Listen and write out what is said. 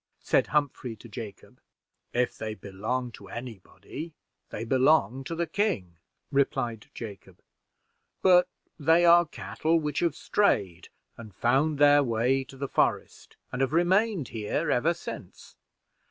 said Humphrey to Jacob. "If they belong to any body, they belong to the king," replied Jacob; "but they are cattle which have strayed and found their way to the forest, and have remained here ever since.